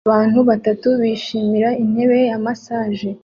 Abantu batatu bishimira intebe za massage